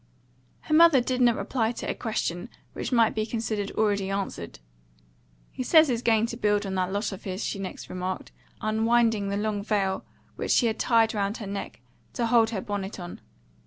Her mother did not reply to a question which might be considered already answered. "He says he's going to build on that lot of his," she next remarked, unwinding the long veil which she had tied round her neck to hold her bonnet on.